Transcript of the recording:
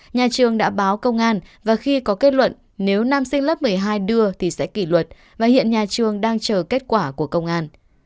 nhà trường đã báo công an và khi có kết luận nếu nam sinh lớp một mươi hai đưa thì sẽ kỷ luật và hiện nhà trường đang chờ kết quả của công an